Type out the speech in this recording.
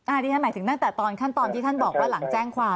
อันนี้แน่นแต่การที่ท่านบอกปีนตอนหลังแจ้งความ